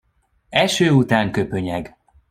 Eső után köpönyeg.